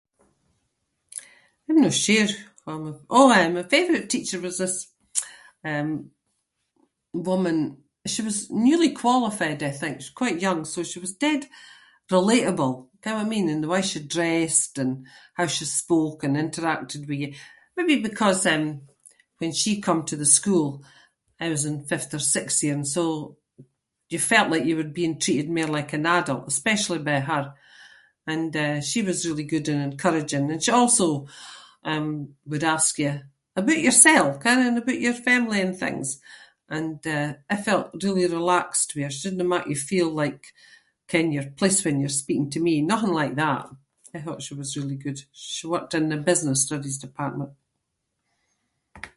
I’m no sure of my- oh aye, my favourite teacher was this, um, woman- she was newly qualified, I think. She was quite young so she was dead relatable, ken whit I mean? And the way she dressed and how she spoke and interacted with you- maybe because, um, when she come to the school I was in fifth or sixth year and so you felt like you were being treated mair like an adult, especially by her. And eh, she was really good and encouraging and she also, um, would ask you aboot yourself, ken, and aboot your family and things, and, eh, I felt really relaxed with her. She didnae make you feel like ken your place when you’re speaking to me- nothing like that. I thought she was really good. She worked in the business studies department.